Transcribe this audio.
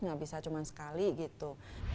nggak bisa cuma sekali gitu